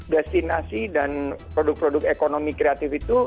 destinasi dan produk produk ekonomi kreatif itu